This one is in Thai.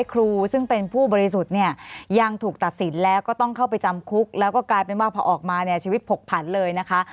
ครูซึ่งเป็นผู้บริสุทธิ์เนี่ยยังถูกตัดสินแล้วก็ต้องเข้าไปจำคุกแล้วก็กลายเป็นว่าพอออกมาเนี่ยชีวิตผกผันเลยนะคะ